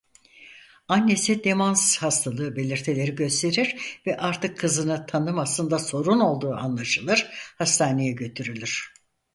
Annesi demans hastalığı belirtileri gösterir ve artık kızını tanımasında sorun olduğu anlaşılır hastaneye götürülür.